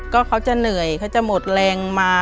ก็เขาจะเหนื่อยเขาจะหมดแรงมา